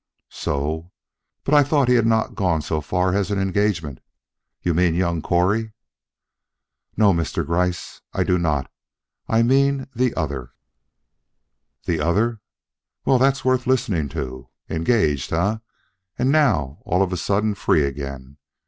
"So! But I thought he had not got so far as an engagement. You mean young Correy " "No, Mr. Gryce, I do not. I mean the other." "The other! Well, that's worth listening to. Engaged, eh, and now all of a sudden free again?